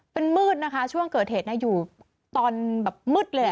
เป็นมืดนะคะช่วงเกิดเหตุอยู่ตอนแบบมืดเลย